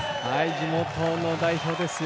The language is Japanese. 地元の代表ですよ。